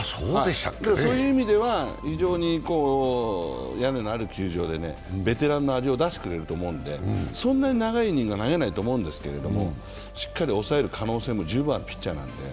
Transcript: そういう意味では、屋根のある球場でベテランの味を出してくれると思うんで、そんなに長いイニングは投げないと思うんですけどしっかり抑える可能性も十分あるピッチャーなんで。